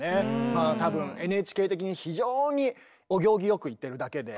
まあ多分ＮＨＫ的に非常にお行儀良く言ってるだけで。